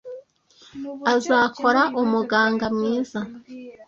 Azakora umuganga mwiza.